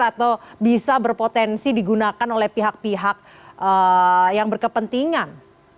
atau bisa berpotensi digunakan oleh pihak pihak yang berkepentingan